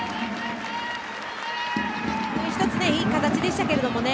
１つ、いい形でしたけれどもね。